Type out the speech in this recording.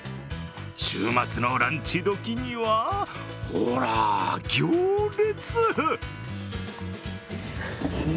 週末のランチどきにはほら、行列！